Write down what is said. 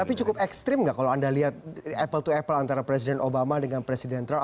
tapi cukup ekstrim nggak kalau anda lihat apple to apple antara presiden obama dengan presiden trump